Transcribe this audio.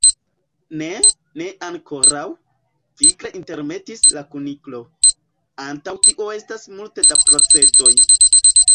"Ne, ne ankoraŭ," vigle intermetis la Kuniklo. "Antaŭ tio estas multe da procedoj."